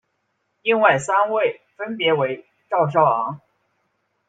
另外三位分别为赵少昂。